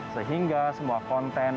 sehingga semua konten